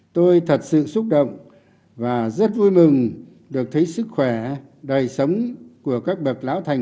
tôi thật sự xúc động và rất vui mừng được thấy sức khỏe đời sống của các bậc lão thành